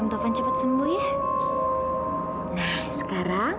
ma pa kakak sudah sadar